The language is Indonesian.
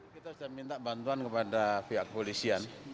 kita sudah minta bantuan kepada pihak polisian